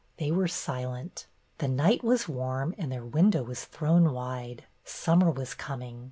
They were silent. The night was warm, and their window was thrown wide. Summer was coming.